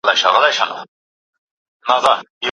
کلونو په اوږدو کي د سنبلې د اتلسمي نېټې د